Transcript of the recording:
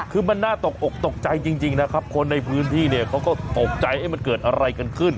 คือมันน่าตกอกตกใจจริงนะครับคนในพื้นที่เนี่ยเขาก็ตกใจมันเกิดอะไรกันขึ้น